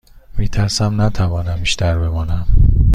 می ترسم نتوانم بیشتر بمانم.